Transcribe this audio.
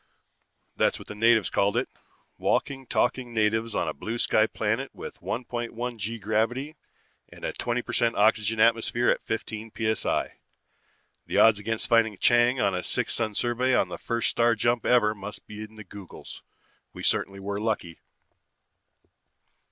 That's what the natives called it. Walking, talking natives on a blue sky planet with 1.1 g gravity and a twenty per cent oxygen atmosphere at fifteen p.s.i. The odds against finding Chang on a six sun survey on the first star jump ever must be up in the googols. We certainly were lucky.